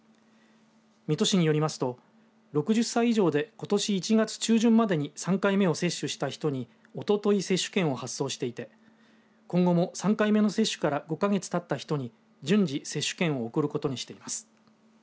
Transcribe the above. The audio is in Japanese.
水戸市によりますと６０歳以上でことし１月中旬までに３回目を接種した人におととい接種券を発送していて今後も３回目の接種から５か月たった人に順次、接種券を送ることにしています。